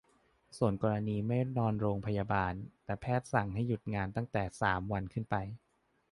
ส่วนกรณีไม่นอนโรงพยาบาล แต่แพทย์สั่งให้หยุดงานตั้งแต่ สาม วันขึ้นไป